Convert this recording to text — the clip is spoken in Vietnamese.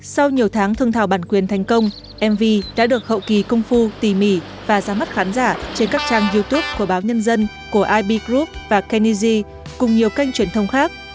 sau nhiều tháng thương thảo bản quyền thành công mv đã được hậu kỳ công phu tỉ mỉ và ra mắt khán giả trên các trang youtube của báo nhân dân của ib group và kennedy cùng nhiều kênh truyền thông khác